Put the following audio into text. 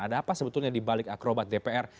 ada apa sebetulnya dibalik akrobat dpr